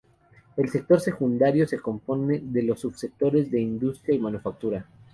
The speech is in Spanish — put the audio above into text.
El sector secundario se compone de los subsectores de industria y manufactura.